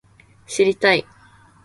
知りたい